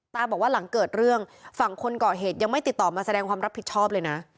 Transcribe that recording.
บอกว่าหลังเกิดเรื่องฝั่งคนเกาะเหตุยังไม่ติดต่อมาแสดงความรับผิดชอบเลยนะ